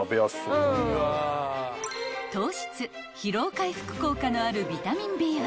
［糖質疲労回復効果のあるビタミンＢ１